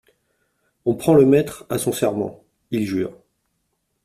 On prend le maître à son serment : il jure.